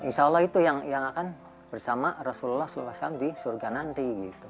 insya allah itu yang akan bersama rasulullah saw di surga nanti